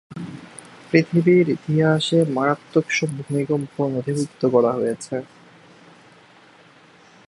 পৃথিবীর ইতিহাসে মারাত্মক সব ভূমিকম্প নথিভুক্ত করা হয়েছে।